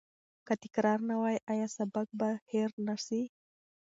که تکرار نه وي، آیا سبق به هیر نه سی؟